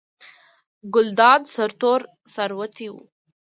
ګلداد سرتور سر وتی و.